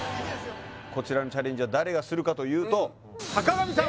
こちらのチャレンジは誰がするかというと坂上さん